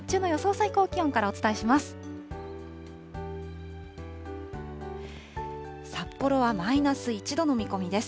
最高気温からお伝えします。